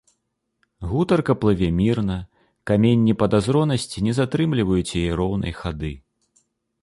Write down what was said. Гутарка плыве мірна, каменні падазронасці не затрымліваюць яе роўнай хады.